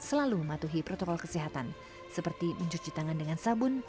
selalu mematuhi protokol kesehatan seperti mencuci tangan dengan sabun